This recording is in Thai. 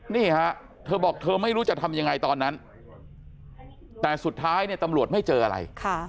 นี่ฮะเธอบอกเธอไม่รู้จะทำยังไงตอนนั้นแต่สุดท้ายเนี่ยตำรวจไม่เจออะไร